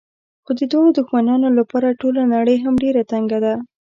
خو د دوو دښمنانو لپاره ټوله نړۍ هم ډېره تنګه ده.